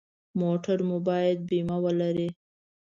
موټر مو باید بیمه ولري.